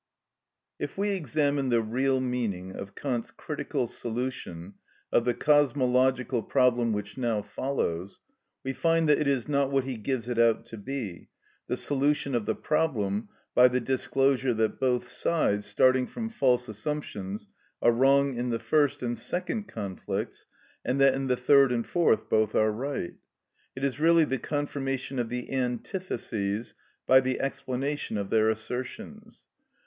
If we examine the real meaning of Kant's Critical Solution of the cosmological problem which now follows, we find that it is not what he gives it out to be, the solution of the problem by the disclosure that both sides, starting from false assumptions, are wrong in the first and second conflicts, and that in the third and fourth both are right. It is really the confirmation of the antitheses by the explanation of their assertions.